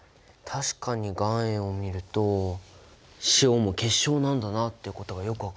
確かに岩塩を見ると塩も結晶なんだなってことがよく分かるね。